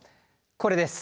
これです。